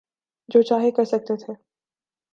جو چاہے کر سکتے تھے۔